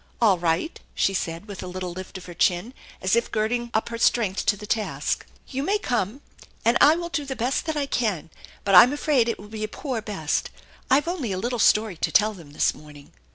"All right," she said, with a little lift of her chin as if girding up her strength to the task. "You may come, and I'll do the best I can, but I'm afraid it will be a poor best. I've only a little story to tell them this morning."